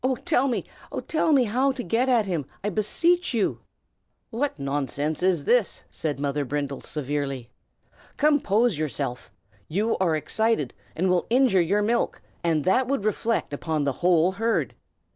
Tell me, oh! tell me, how to get at him, I beseech you!" "What nonsense is this?" said Mother Brindle, severely. "Compose yourself! You are excited, and will injure your milk, and that would reflect upon the whole herd.